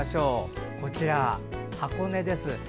こちら、箱根です。